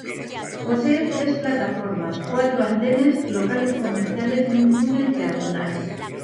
Posee tres plataformas, cuatro andenes, locales comerciales y un túnel peatonal.